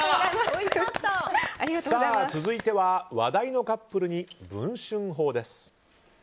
続いては話題のカップルに文春砲です。